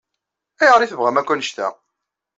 Ayɣer i tebɣam akk annect-a?